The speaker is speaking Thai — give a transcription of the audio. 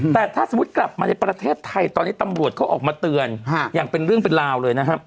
แต่ถ้าสมมุติกลับมาในประเทศไทยตอนนี้ตำรวจเขาออกมาเตือนอย่างเป็นเรื่องเป็นราวเลยนะครับ